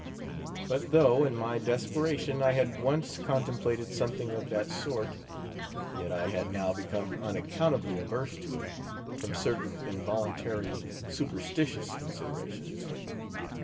But though, in my desperation, I had once contemplated something of that sort, yet I had now become unaccountably averse to it, from certain involuntary superstitious considerations.